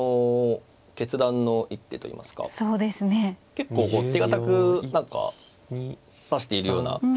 結構手堅く何か指しているようなあのそうですね